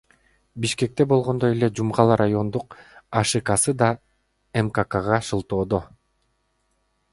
Бишкекте болгондой эле Жумгал райондук АШКсы да МККга шылтоодо.